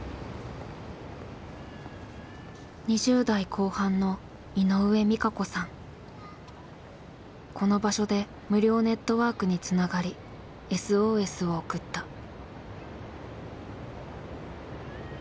２０代後半のこの場所で無料ネットワークにつながりＳＯＳを送った。